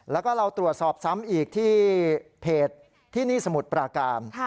แล้วก็เราตรวจสอบซ้ำอีกที่เพจที่นี่สมุทรปราการ